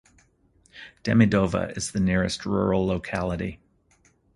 Demidova is the nearest rural locality.